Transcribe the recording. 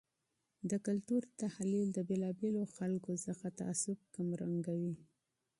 د کلتور تحلیل له بیلابیلو خلګو څخه تعصب کمرنګوي.